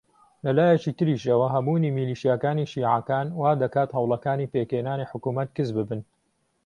لە لایەکی تریشەوە هەبوونی میلیشیاکانی شیعەکان وا دەکات هەوڵەکانی پێکهێنانی حکوومەت کز ببن